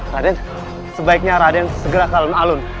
raden sebaiknya raden segera ke alun alun